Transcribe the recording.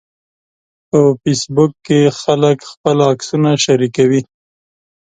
په فېسبوک کې خلک خپل عکسونه شریکوي